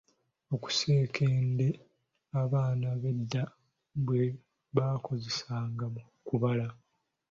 Obuseekende abaana b'edda bwe baakozesanga mu kubala.